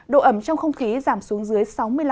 độ ẩm trong không khí giảm xuống dưới sáu mươi năm